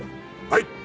はい！